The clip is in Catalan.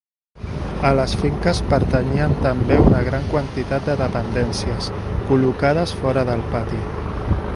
A les finques pertanyien també una gran quantitat de dependències, col·locades fora del pati.